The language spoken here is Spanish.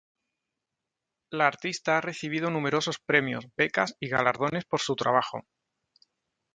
La artista ha recibido numerosos premios, becas y galardones por su trabajo.